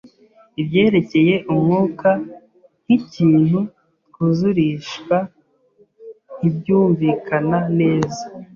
ibyerekeye Umwuka nk'ikintu twuzurishwa ntibyumvikana neza